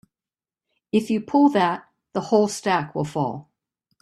If you pull that the whole stack will fall.